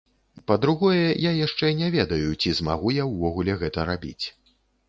Па-другое, я яшчэ не ведаю, ці змагу я ўвогуле гэта рабіць.